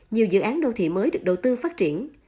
nhiều dự án đô thị mới được đầu tư phát triển